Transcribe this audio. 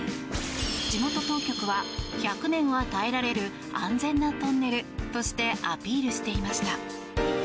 地元当局は１００年は耐えられる安全なトンネルとしてアピールしていました。